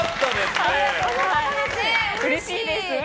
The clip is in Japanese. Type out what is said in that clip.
うれしいです。